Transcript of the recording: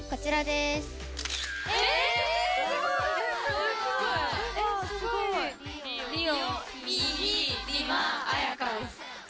すごい！お！